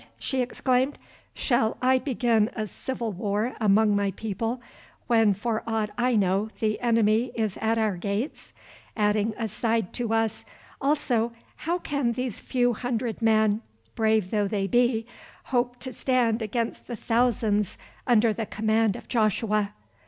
she exclaimed, "shall I begin a civil war among my people when for aught I know the enemy is at our gates?" adding aside to us, "also, how can these few hundred men, brave though they be, hope to stand against the thousands under the command of Joshua?"